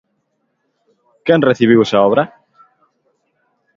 ¿Quen recibiu esa obra?